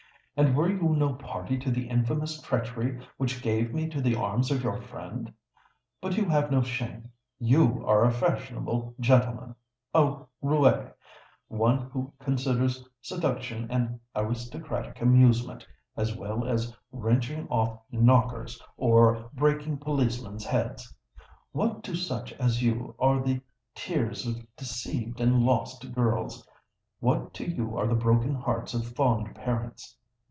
and were you no party to the infamous treachery which gave me to the arms of your friend? But you have no shame:—you are a fashionable gentleman—a roué—one who considers seduction an aristocratic amusement, as well as wrenching off knockers or breaking policemen's heads. What to such as you are the tears of deceived and lost girls? what to you are the broken hearts of fond parents?